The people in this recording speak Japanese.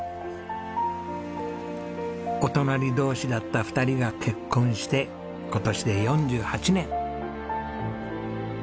お隣同士だった２人が結婚して今年で４８年。